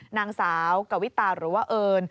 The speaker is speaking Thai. นางสาวกวิตาหรือว่าเอิญ